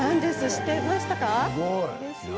知ってました？